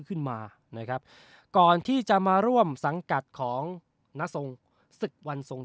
ขึ้นมานะครับก่อนที่จะมาร่วมสังกัดของนทรงศึกวันทรง